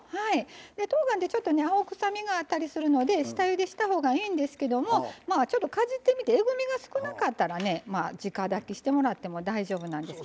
とうがんってちょっとね青臭みがあったりするので下ゆでしたほうがいいんですけどもちょっとかじってみてえぐみが少なかったらね直だきしてもらっても大丈夫なんです。